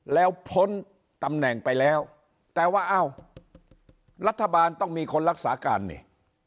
แล้วพ้นตำแหน่งไปแล้วแต่ว่าอ้าวรัฐบาลต้องมีคนรักษาการนี่